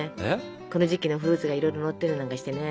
この時期のフルーツがいろいろのったりなんかしてね。